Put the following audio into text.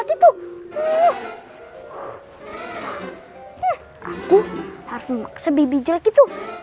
harus memaksa bibi jelek itu